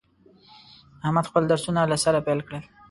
احمد خپل درسونه له سره پیل کړل.